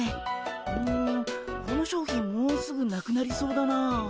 うんこの商品もうすぐなくなりそうだなあ。